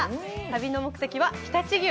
旅の目的は常陸牛。